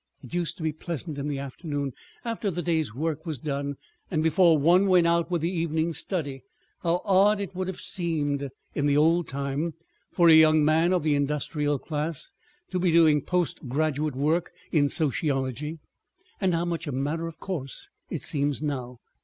It used to be pleasant in the afternoon, after the day's work was done and before one went on with the evening's study—how odd it would have seemed in the old time for a young man of the industrial class to be doing post graduate work in sociology, and how much a matter of course it seems now!